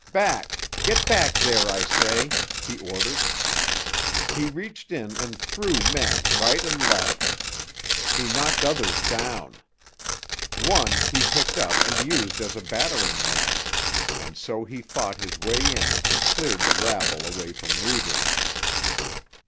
"Back! Get back there, I say!" he ordered. He reached in and threw men right and left. He knocked others down. One he picked up and used as a battering ram, and so he fought his way in and cleared the rabble away from Reivers.